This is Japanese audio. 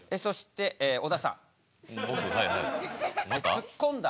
ツッコんだ